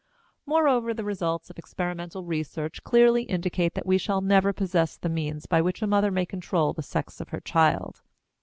Moreover, the results of experimental research clearly indicate that we shall never possess the means by which a mother may control the sex of her child.